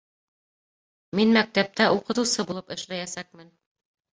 Мин мәктәптә уҡытыусы булып эшләйәсәкмен